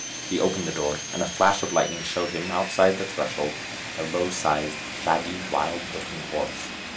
He opened the door, and a flash of lightning showed him outside the threshold a low sized, shaggy, wild looking horse.